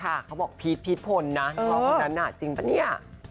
ค่ะเขาบอกพีทพีทพลนะจริงปะนี่